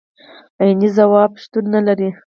عيني ځواب شتون نه لري.